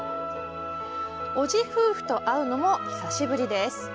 おじ夫婦と会うのも久しぶり。